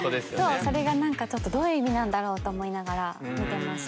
それが何かちょっとどういう意味なんだろうと思いながら見てました。